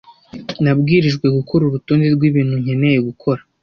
Nabwirijwe gukora urutonde rwibintu nkeneye gukora.